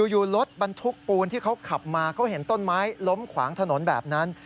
อยู่รถบรรทุกปูนที่เขาขับมาเขาเห็นต้นไม้ล้มขวางถนนแบบนั้น